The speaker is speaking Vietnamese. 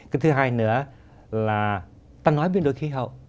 cái thứ hai nữa là ta nói biến đổi khí hậu